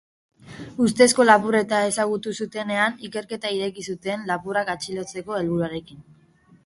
Ustezko lapurreta ezagutu zutenean, ikerketa ireki zuten, lapurrak atxilotzeko helburuarekin.